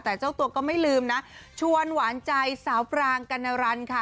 แต่เจ้าตัวก็ไม่ลืมนะชวนหวานใจสาวปรางกัณรันค่ะ